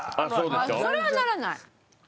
それはならない。